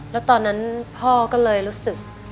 แล้วตอนนั้นพ่อก็เลยรู้สึก